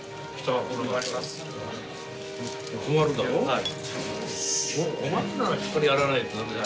はい。